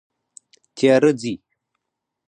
تیاره ځي